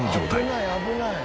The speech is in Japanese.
「危ない危ない」